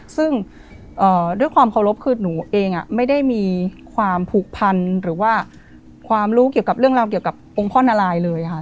ซึ่งด้วยความเคารพคือหนูเองไม่ได้มีความผูกพันหรือว่าความรู้เกี่ยวกับเรื่องราวเกี่ยวกับองค์พ่อนารายเลยค่ะ